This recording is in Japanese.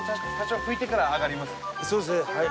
そうですねはい。